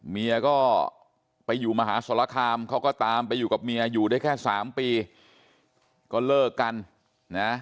เมียก็ไปอยู่มหาสรคามเขาก็ตามไปอยู่กับเมียอยู่ได้แค่สามปีก็เลิกกันนะ